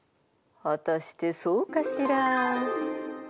果たしてそうかしら？